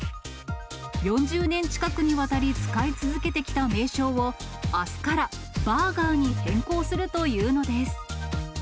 ４０年近くにわたり使い続けてきた名称をあすからバーガーに変更するというのです。